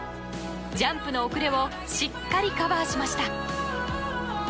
ジャンプの遅れをしっかりカバーしました。